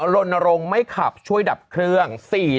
ลนรงค์ไม่ขับช่วยดับเครื่อง